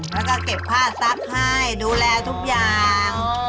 แล้วก็เก็บผ้าซักให้ดูแลทุกอย่าง